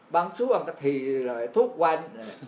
บางช่วงกะทิเลยทุกวัน